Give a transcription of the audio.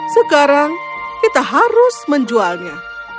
sekarang kita harus menjualnya